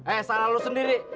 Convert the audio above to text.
eh salah lo sendiri